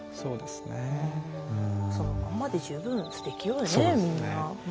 そのまんまで十分すてきよね、みんな。